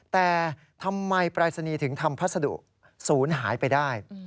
แต่ทำไมปรายศนีย์ถึงทำพัสดุศูนย์หายไปได้